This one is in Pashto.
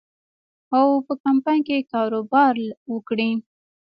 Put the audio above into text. او په کمپاین کې کاروبار وکړي.